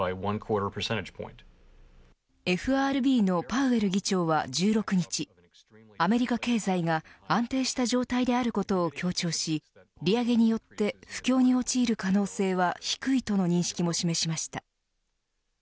ＦＲＢのパウエル議長は１６日アメリカ経済が安定した状態であることを強調し利上げによって不況に陥る可能性は低いとの認識も示しました。